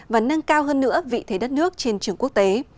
và nâng cao hơn nữa vị thế đất nước trên trường quốc tế